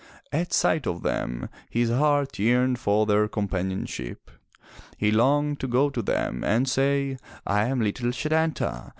At sight of them, his heart yearned for their companionship. He longed to go to them and say, "I am little Setanta.